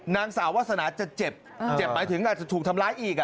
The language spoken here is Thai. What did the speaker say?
นางสาววาสนาจะเจ็บเจ็บหมายถึงอาจจะถูกทำร้ายอีก